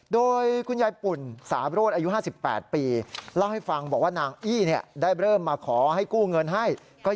โดยคุณยายปุ่นสาโบรสอายุ๕๘ปี